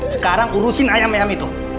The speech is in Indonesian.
sekarang urusin ayam ayam itu